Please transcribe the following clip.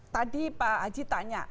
tadi pak aji tanya